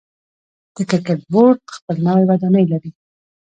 د کرکټ بورډ خپل نوی ودانۍ لري.